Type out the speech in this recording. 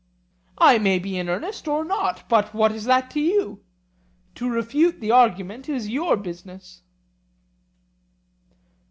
I may be in earnest or not, but what is that to you?—to refute the argument is your business.